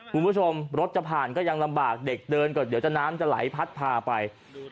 คุณผู้ชมรถจะผ่านก็ยังลำบากเด็กเดินก็เดี๋ยวจะน้ำจะไหลพัดพาไป